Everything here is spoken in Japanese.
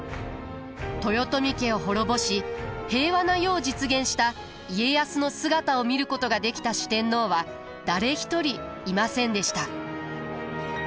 豊臣家を滅ぼし平和な世を実現した家康の姿を見ることができた四天王は誰一人いませんでした。